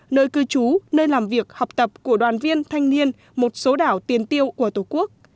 nơi cư trú nơi làm việc học tập của đoàn viên thanh niên một số đảo tiền tiêu của tổ quốc